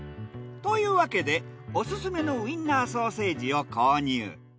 というわけでオススメのウィンナーソーセージを購入。